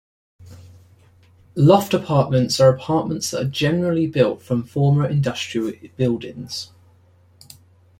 Loft apartments are apartments that are generally built from former industrial buildings.